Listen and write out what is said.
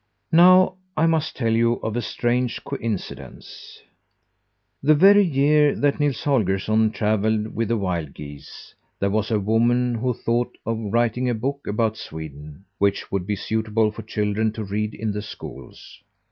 Now I must tell you of a strange coincidence: The very year that Nils Holgersson travelled with the wild geese there was a woman who thought of writing a book about Sweden, which would be suitable for children to read in the schools.